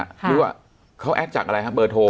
หรือว่าเขาแอดจากอะไรครับเบอร์โทร